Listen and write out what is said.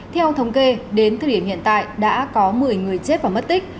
theo thống kê đến thời điểm hiện tại đã có một mươi người chết và mất tích